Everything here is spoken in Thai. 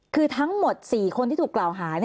คือทั้งหมด๔คนที่ถูกกล่าวหา